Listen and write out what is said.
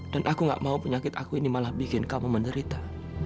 dan aku gak mau penyakit aku ini malah bikin kamu menderita